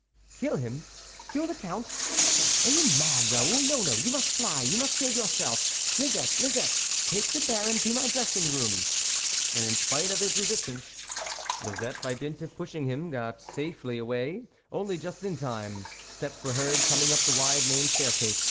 " Kill him ! kill the Count ? are you mad, Raoul ? No, no, you must fly, you must save yourself .... Lisette ! Lis ette ! take the Baron through my dressing room. And in spite of his resistance, Lisette by dint of pushing got him safely away. Only just in time ! steps were heard coming up the wide main staircase.